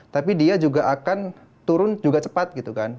tapi dia juga akan turun juga cepat gitu kan